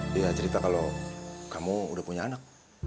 dia cerita kalau kamu udah punya anak